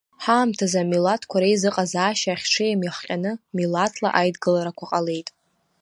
Ҳаамҭазы амилаҭқәа реизыҟазаашьа ахьҽеим иахҟьаны, милаҭла аидгыларақәа ҟалеит.